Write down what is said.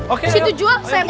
oke setuju lah saya beri